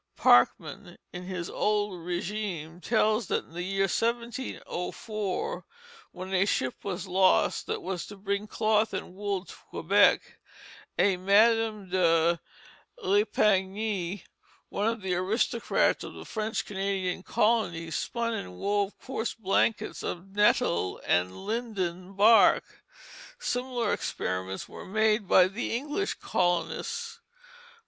Parkman, in his Old Régime, tells that in the year 1704, when a ship was lost that was to bring cloth and wool to Quebec, a Madame de Rèpentigny, one of the aristocrats of the French Canadian colony, spun and wove coarse blankets of nettle and linden bark. Similar experiments were made by the English colonists.